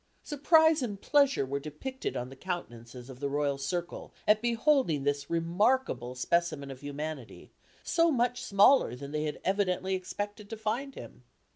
Surprise and pleasure were depicted on the countenances of the royal circle at beholding this remarkable specimen of humanity so much smaller than they had evidently expected to find him.